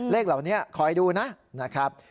เลขเหล่านี้คอยดูนะครับ